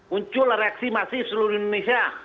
muncul reaksi masih seluruh indonesia